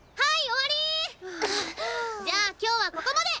はい。